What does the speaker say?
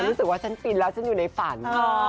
มันรู้สึกว่าฉันด้วยแล้วแล้วฉันอยู่ในฝัน